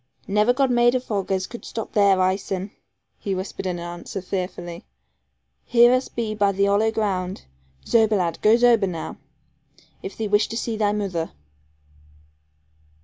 'Never God made vog as could stop their eyesen,' he whispered in answer, fearfully; 'here us be by the hollow ground. Zober, lad, goo zober now, if thee wish to see thy moother.'